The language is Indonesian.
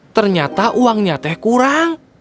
ternyata uangnya teh kurang